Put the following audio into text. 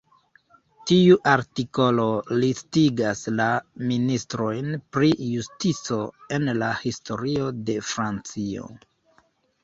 Tiu artikolo listigas la ministrojn pri justico en la historio de Francio.